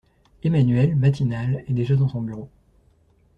Emmanuelle, matinale, est déjà dans son bureau.